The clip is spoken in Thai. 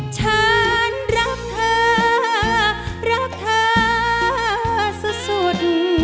ฉันรักเธอรักเธอสุด